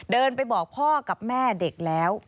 เดินไปบอกพ่อกับแม่เด็กแล้ว